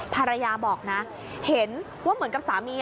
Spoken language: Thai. ภรรยาบอกนะเห็นว่าเหมือนกับสามี